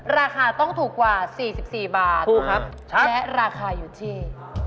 ราคาต้องถูกกว่า๔๔บาทและราคาอยู่ที่